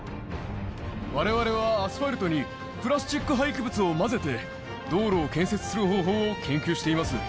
われわれはアスファルトに、プラスチック廃棄物を混ぜて、道路を建設する方法を研究しています。